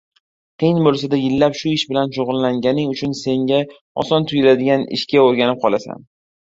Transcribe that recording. Qiyin boʻlsada yillab shu ish bilan shugʻullanganing uchun senga oson tuyuladigan ishga oʻrganib qolasan.